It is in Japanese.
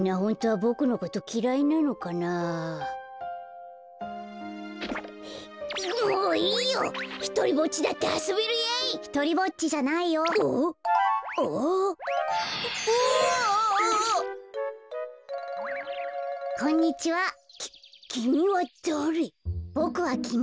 ボクはきみ。